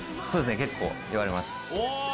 結構言われます。